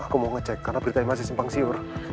karena berita yang masih simpang siur